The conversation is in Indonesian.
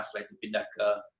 setelah itu pindah ke